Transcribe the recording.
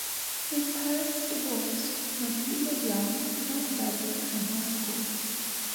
His parents divorced when he was young and did not graduate from high school.